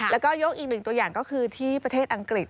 แล้วก็ยกอีกหนึ่งตัวอย่างก็คือที่ประเทศอังกฤษ